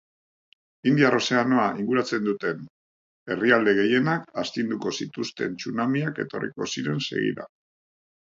Indiar ozeanoa inguratzen duten herrialde gehienak astinduko zituzten tsunamiak etorri ziren segidan.